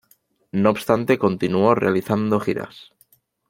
No obstante continuó realizando giras.